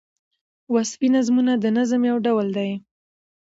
وصفي نظمونه د نظم یو ډول دﺉ.